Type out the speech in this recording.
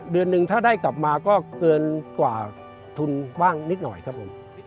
เดือนหนึ่งถ้าได้กลับมาก็เกินกว่าทุนบ้างนิดหน่อยครับผม